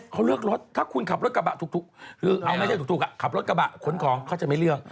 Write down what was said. เขาเลือกรถถ้าคุณขับรถกระบะถูกคือเอาไม่ใช่ถูกขับรถกระบะขนของเขาจะไม่เลือก